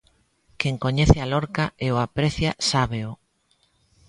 Quen coñece a Lorca e o aprecia sábeo.